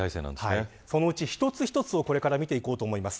一つ一つをこれから見ていこうと思います。